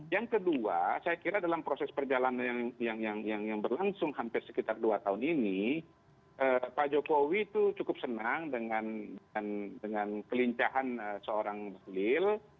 yang kedua saya kira dalam proses perjalanan yang berlangsung hampir sekitar dua tahun ini pak jokowi itu cukup senang dengan kelincahan seorang bahlil